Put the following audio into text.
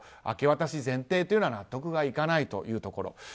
明け渡し前提というのは納得がいかないというところ。